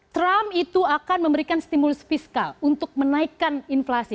trump itu akan memberikan stimulus fiskal untuk menaikkan inflasi